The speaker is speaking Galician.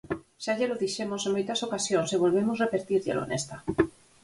Xa llelo dixemos en moitas ocasións e volvemos repetírllelo nesta.